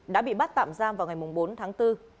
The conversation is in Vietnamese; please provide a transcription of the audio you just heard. đã bị bắt tạm giam vào ngày bốn tháng bốn